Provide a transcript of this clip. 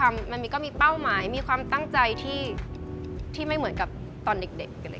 มันก็มีเป้าหมายมีความตั้งใจที่ไม่เหมือนกับตอนเด็ก